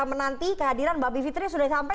menanti kehadiran mbak bivitri sudah sampai